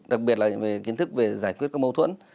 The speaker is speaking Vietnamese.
đặc biệt là về kiến thức về giải quyết các mâu thuẫn